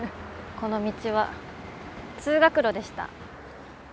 この道は通学路でした。